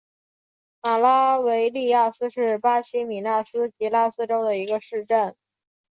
马拉维利亚斯是巴西米纳斯吉拉斯州的一个市镇。